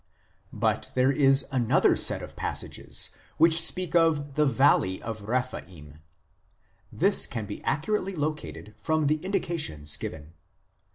l But there is another set of passages which speak of " the valley of Rephaim "; this can be accurately located from the indications given.